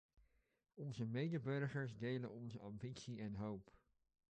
Onze medeburgers delen onze ambitie en hoop.